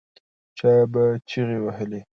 چا به چیغې وهلې.